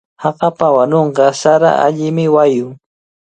Hakapa wanunwanqa sara allimi wayun.